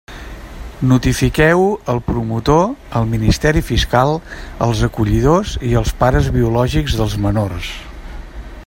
Notifiqueu-ho al promotor, al Ministeri Fiscal, als acollidors i als pares biològics dels menors.